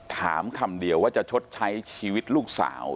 คำเดียวว่าจะชดใช้ชีวิตลูกสาว